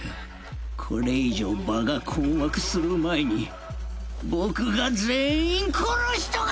これ以上場が困惑する前に僕が全員殺しとかなきゃ！